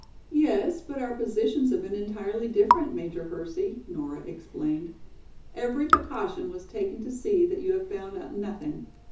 "Yes, but our positions have been entirely different, Major Hersey," Nora explained. "Every precaution was taken to see that you found out nothing.